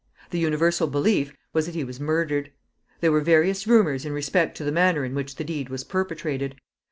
The universal belief was that he was murdered. There were various rumors in respect to the manner in which the deed was perpetrated.